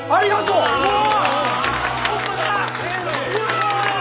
うわ！